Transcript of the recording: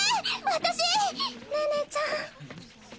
私寧々ちゃん葵？